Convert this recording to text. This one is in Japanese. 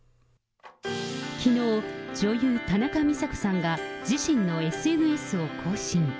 きのう、女優、田中美佐子さんが自身のＳＮＳを更新。